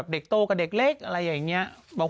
โตกับเด็กเล็กอะไรอย่างนี้